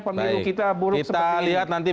pemilu kita buruk seperti ini